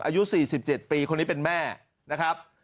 อายุ๔๗ปีคนนี้เป็นแม่นะครับ